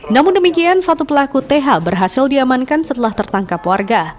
namun demikian satu pelaku th berhasil diamankan setelah tertangkap warga